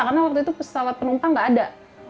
karena waktu itu pesawat penumpang nggak ada